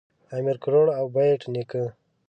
امیر کروړ او بېټ نیکه